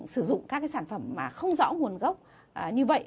sử dụng các cái sản phẩm mà không rõ nguồn gốc như vậy